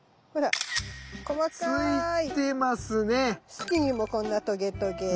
茎にもこんなトゲトゲ。